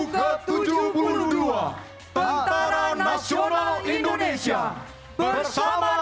kami adalah manusia manusia yang terlatih